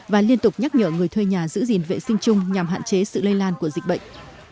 và liên tục nhắc nhở người thuê nhà giữ gìn vệ sinh chung nhằm hạn chế sự lây lan của dịch bệnh